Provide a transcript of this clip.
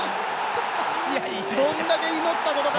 どれだけ祈ったことか。